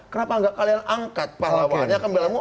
kenapa gak kalian angkat pahlawannya kembalamu